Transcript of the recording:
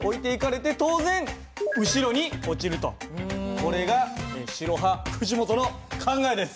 これが白派藤本の考えです。